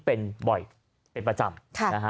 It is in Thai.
เป็นประจำ